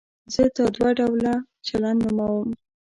زه دا دوه ډوله چلند نوموم.